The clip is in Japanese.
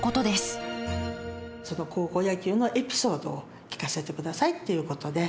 ちょっと高校野球のエピソードを聞かせてくださいっていうことで。